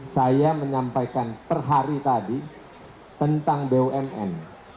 saya menyampaikan perhari tadi tentang bumn